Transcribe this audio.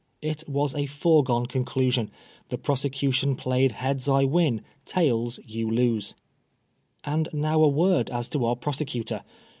It was a foregone conclusion. The prosecution played, " Heads I win, tails you lose. And now a word as to our prosecutor.